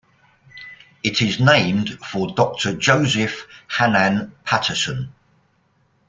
It is named for Doctor Joseph Hanan Patterson.